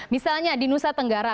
misalnya di nusa tenggara